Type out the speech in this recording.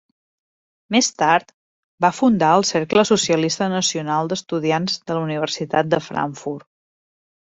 Més tard, va fundar el cercle Socialista Nacional d'estudiants de la Universitat de Frankfurt.